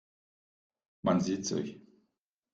Man sieht sich.